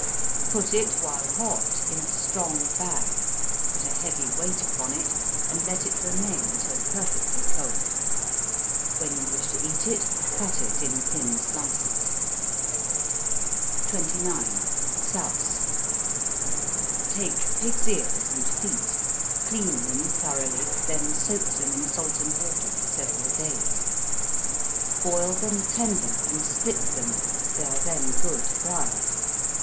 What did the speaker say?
Put it while hot in a strong bag, put a heavy weight upon it, and let it remain till perfectly cold. When you wish to eat it, cut it in thin slices. 29. Souse. Take pig's ears and feet, clean them thoroughly, then soak them in salt and water, for several days. Boil them tender, and split them, they are then good fried.